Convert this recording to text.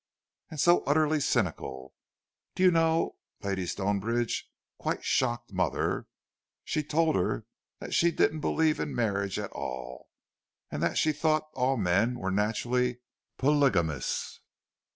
"And so utterly cynical! Do you know, Lady Stonebridge quite shocked mother—she told her she didn't believe in marriage at all, and that she thought all men were naturally polygamous!"